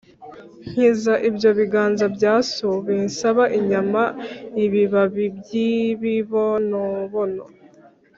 Nkiza ibyo biganza bya so binsaba inyama-Ibibabi by'ibibonobono